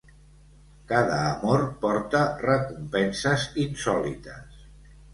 Cada amor porta recompenses insòlites.